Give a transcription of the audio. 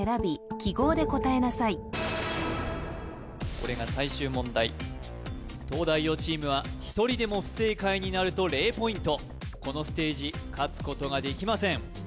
これが最終問題東大王チームは１人でも不正解になると０ポイントこのステージ勝つことが出来ません